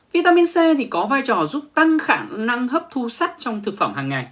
vitamin c có vai trò giúp tăng khả năng hấp thu sắc trong thực phẩm hàng ngày